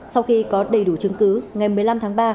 sau khi có đầy đủ chứng cứ ngày một mươi năm tháng ba